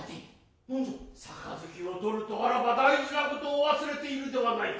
盃を取るとあらば大事なことを忘れているではないか。